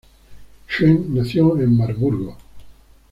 Schenck nació en Marburgo.